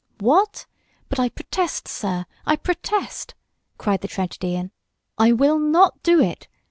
"What! But I protest, sir! I protest!" cried the tragedian. "I will not do it!